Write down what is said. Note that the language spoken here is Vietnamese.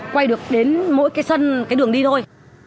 quay được đến mỗi cái sân cái đường đi thôi